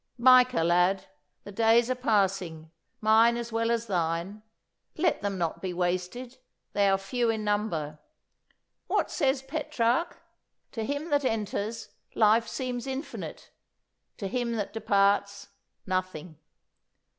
Micah, lad, the days are passing, mine as well as thine. Let them not be wasted. They are few in number. What says Petrarch?' To him that enters, life seems infinite; to him that departs, nothing.